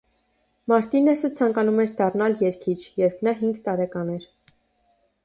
Մարտինեսը ցանկանում էր դառնալ երգիչ, երբ նա հինգ տարեկան էր։